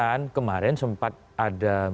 ini mungkin bagian dari yang disempatkan dikirim